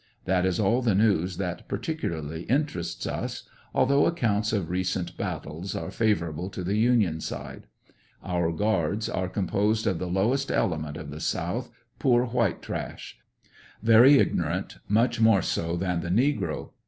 That is all the news that particularly interests us, although accounts of recent battles are favorable to the Union side. Our guards are composed of the lowest element of the South — poor white trash Very ignorant, much more so than the negro.